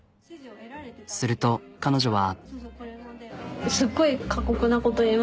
すると彼女は。